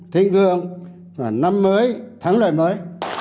thịnh vượng và năm mới thắng lợi mới